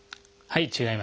はい。